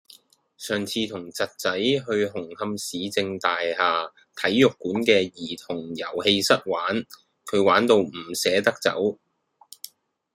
上次同侄仔去紅磡市政大廈體育館嘅兒童遊戲室玩，佢玩到唔捨得走。